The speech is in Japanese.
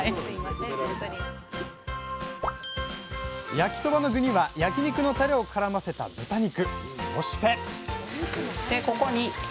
焼きそばの具には焼き肉のタレをからませた豚肉。